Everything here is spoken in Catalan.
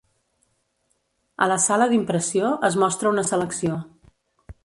A la sala d'impressió es mostra una selecció.